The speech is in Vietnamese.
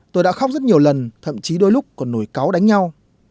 tôi đã khóc rất nhiều lần thậm chí đôi lúc còn nổi cáo đánh nhau